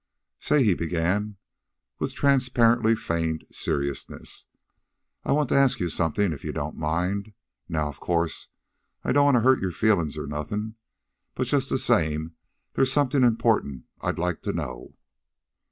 "Say," he began, with transparently feigned seriousness. "I want to ask you something, if you don't mind. Now, of course, I don't want to hurt your feelin's or nothin', but just the same there's something important I'd like to know."